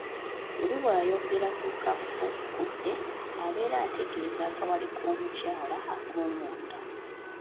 Oli bw’ayogera ku kafukunde abeera ategeeza akawale k’omukyala akoomunda.